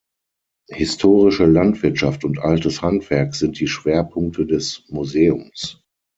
Historische Landwirtschaft und altes Handwerk sind die Schwerpunkte des Museums.